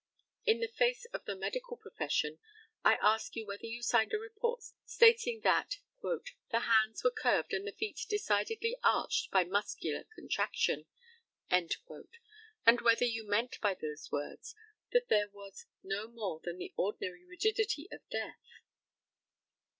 In face of the medical profession, I ask you whether you signed a report stating that "the hands were curved and the feet decidedly arched by muscular contraction," and whether you meant by those words that there was no more than the ordinary rigidity of death?